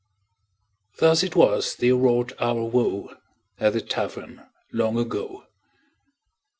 Thus it was they wrought our woe At the Tavern long ago.